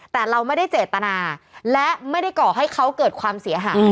แต่เราไม่ได้เจตนาและไม่ได้ก่อให้เขาเกิดความเสียหาย